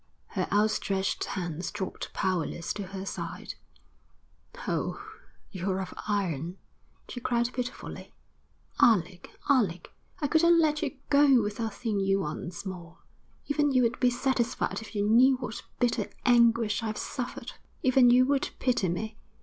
Her outstretched hands dropped powerless to her side. 'Oh, you're of iron,' she cried pitifully. 'Alec, Alec, I couldn't let you go without seeing you once more. Even you would be satisfied if you knew what bitter anguish I've suffered. Even you would pity me.